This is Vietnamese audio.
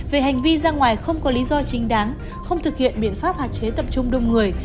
về hành vi ra ngoài không có lý do chính đáng không thực hiện biện pháp hạn chế tập trung đông người